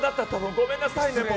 ごめんなさいね。